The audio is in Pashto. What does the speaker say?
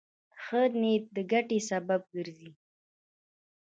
ښه نیت د ګټې سبب ګرځي.